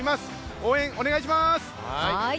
応援お願いします！